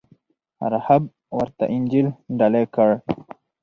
راهب ورته انجیل ډالۍ کړ.